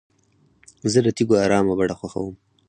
زه د تیږو ارامه بڼه خوښوم.